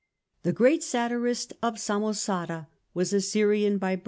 The great satirist of Samosata was a Syrian by birth, CH.